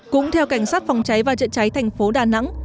cũng theo cảnh sát phòng cháy và chữa cháy thành phố đà nẵng